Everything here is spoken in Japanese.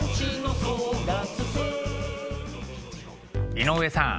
井上さん。